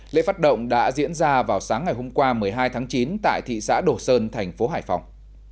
lễ phát động đã diễn ra vào sáng ngày hôm qua một mươi hai tháng chín tại thị xã đồ sơn thành phố hải phòng